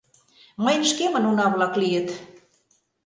Мыйын шкемын уна-влак лийыт.